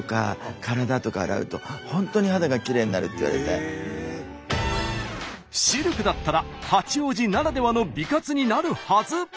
それでシルクだったら八王子ならではの美活になるはず。